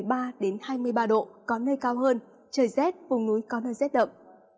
trời gió bắc bộ có nơi cao hơn trời rét vùng núi có nơi rét đậm